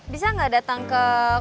bisa gak datang ke